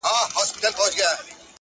څانګه یم وچېږمه، ماتېږم ته به نه ژاړې!